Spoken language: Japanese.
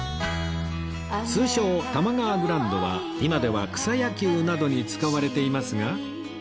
通称多摩川グラウンドは今では草野球などに使われていますが